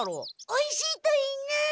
おいしいといいな！